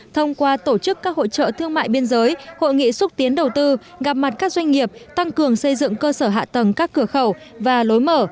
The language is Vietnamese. thông qua tổ chức các hội trợ thương mại biên giới hội nghị xúc tiến đầu tư gặp mặt các doanh nghiệp tăng cường xây dựng cơ sở hạ tầng các cửa khẩu và lối mở